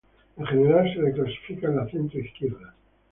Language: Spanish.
En general se le clasifica en la centro-izquierda.